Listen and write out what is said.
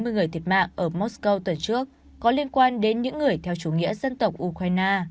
ba mươi người thiệt mạng ở moscow tuần trước có liên quan đến những người theo chủ nghĩa dân tộc ukraine